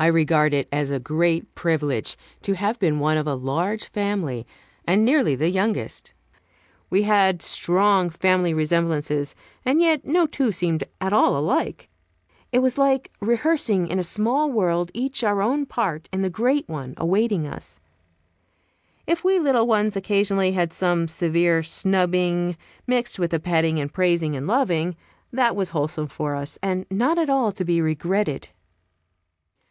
I regard it as a great privilege to have been one of a large family, and nearly the youngest. We had strong family resemblances, and yet no two seemed at all alike. It was like rehearsing in a small world each our own part in the great one awaiting us. If we little ones occasionally had some severe snubbing mixed with the petting and praising and loving, that was wholesome for us, and not at all to be regretted.